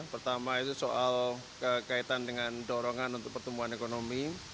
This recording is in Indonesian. pertama itu soal kaitan dengan dorongan untuk pertumbuhan ekonomi